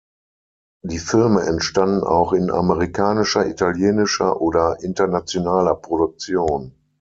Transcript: Die Filme entstanden auch in amerikanischer, italienischer oder internationaler Produktion.